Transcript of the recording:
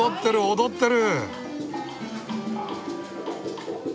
踊ってる！